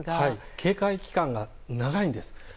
警戒期間が長いんです。